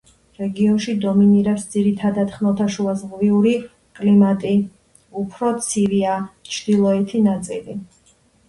რეგიონში დომინირებს ძირითადად ხმელთაშუაზღვიური კლიმატი, უფრო ცივია ჩრდილოეთი ნაწილი.